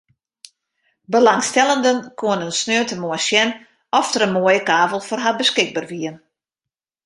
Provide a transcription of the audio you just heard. Belangstellenden koene sneontemoarn sjen oft der in moaie kavel foar har beskikber wie.